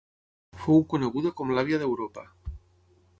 Fou coneguda com l'àvia d'Europa.